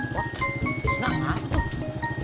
senang banget tuh